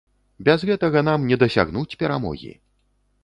Без гэтага нам не дасягнуць перамогі.